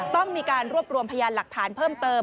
ต้องมีการรวบรวมพยานหลักฐานเพิ่มเติม